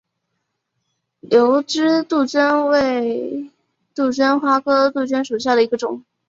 瘤枝杜鹃为杜鹃花科杜鹃属下的一个种。